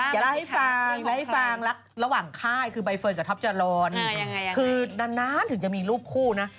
แกรักให้ฟังรักระหว่างค่ายคือใบเฟิร์นกับท็อปจรรย์คือนานถึงจะมีรูปคู่นะ